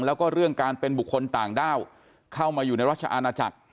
แล้วก็เรื่องการเป็นบุคคลต่างด้าวเข้ามาอยู่ในราชอาณาจักร